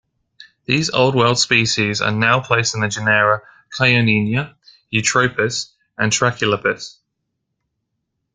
These Old World species are now placed in the genera "Chioninia", "Eutropis", and "Trachylepis".